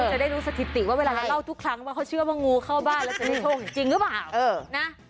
จะได้รู้สถิติว่าเวลาเราเล่าทุกครั้งว่าเขาเชื่อว่างูเข้าบ้านแล้วจะได้โชคจริงหรือเปล่านะ